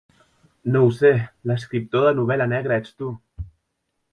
No ho sé, l'escriptor de novel·la negra ets tu.